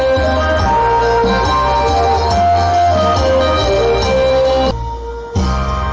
โปรดติดตามตอนต่อไป